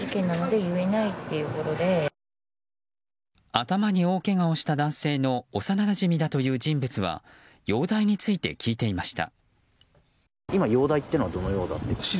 頭に大けがをした男性の幼なじみだという人物は容体について聞いていました。